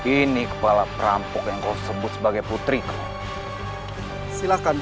ini tidak bisa dibiarkan